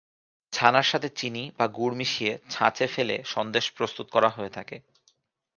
ছানার সাথে চিনি বা গুড় মিশিয়ে ছাঁচে ফেলে সন্দেশ প্রস্তুত করা হয়ে থাকে।